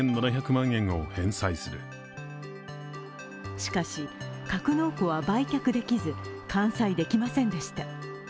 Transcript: しかし、格納庫は売却できず、完済できませんでした。